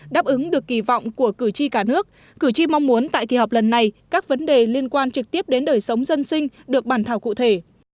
đáp ứng được kỳ vọng của cử tri cả nước cử tri mong muốn tại kỳ họp lần này các vấn đề liên quan trực tiếp đến đời sống dân sinh được bàn thảo cụ thể